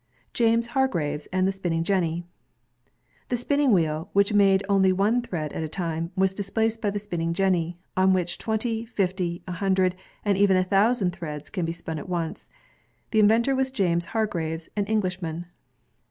Jaues Hargreaves and the Spinning Jenny The spinning wheel, which made only one thread at a time, was displaced by the spinning jenny, on which twenty, fifty, a hundred, and even a thousand threads can be spun at once. The inventor was James Hargreaves, an Englishman.